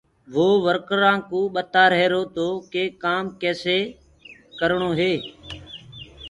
وو ورڪرآنٚ ڪوُ ٻتآ رهيرو تو ڪي ڪآم ڪيسي ڪرڻو هي؟